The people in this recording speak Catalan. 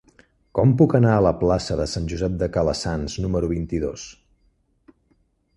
Com puc anar a la plaça de Sant Josep de Calassanç número vint-i-dos?